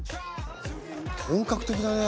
本格的だね。